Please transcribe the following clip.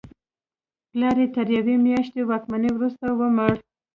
پلار یې تر یوې میاشتنۍ واکمنۍ وروسته ومړ.